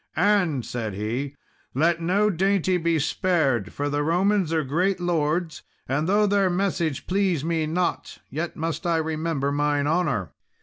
"And," said he, "let no dainty be spared, for the Romans are great lords; and though their message please me not, yet must I remember mine honour."